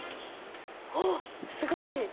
あっ、すごい。